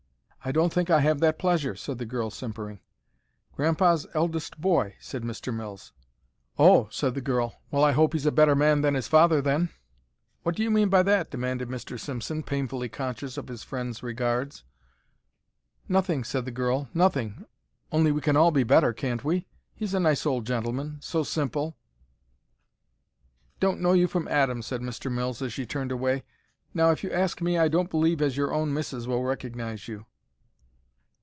"I don't think I have that pleasure," said the girl, simpering. "Gran'pa's eldest boy," said Mr. Mills. "Oh!" said the girl. "Well, I hope he's a better man than his father, then?" "What do you mean by that?" demanded Mr. Simpson, painfully conscious of his friend's regards. "Nothing," said the girl, "nothing. Only we can all be better, can't we? He's a nice old gentleman; so simple." "Don't know you from Adam," said Mr. Mills, as she turned away. "Now, if you ask me, I don't believe as your own missis will recognize you."